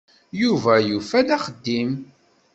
Yuba yufa-d axeddim.